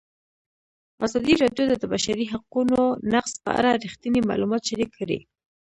ازادي راډیو د د بشري حقونو نقض په اړه رښتیني معلومات شریک کړي.